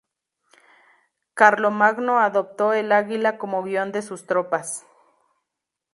Carlomagno adoptó el águila como guion de sus tropas.